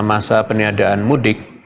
masa peniadaan mudik